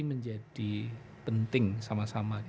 menjadi penting sama sama